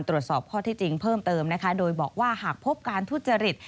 ตรวจสอบข้อที่จริงเพิ่มเติมนะคะโดยบอกว่าหากพบการทุจริต